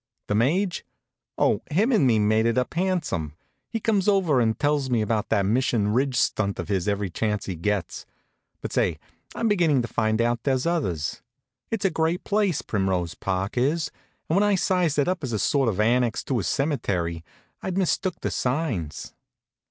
The Maje? Oh, him and me made it up handsome. He comes over and tells me about that Mission Ridge stunt of his every chance he gets. But say, I'm beginnin' to find out there's others. It's a great place, Primrose Park is, and when I sized it up as a sort of annex to a cemetery I'd mistook the signs.